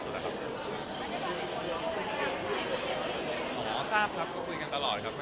ผมหมายอย่างก็อยากต่างงานครั้งเดียวครับ